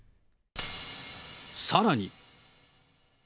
さらに。